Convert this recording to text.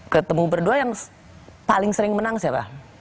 ketemu berdua yang paling sering menang siapa